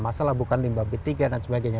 masalah bukan limbah betiga dan sebagainya